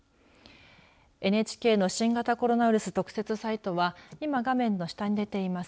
ＮＨＫの新型コロナウイルス特設サイトは今画面の下に出ています